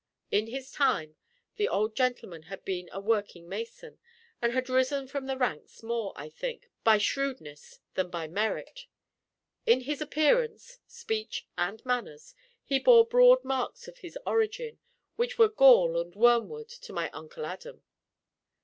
In his time, the old gentleman had been a working mason, and had risen from the ranks more, I think, by shrewdness than by merit. In his appearance, speech, and manners, he bore broad marks of his origin, which were gall and wormwood to my Uncle Adam.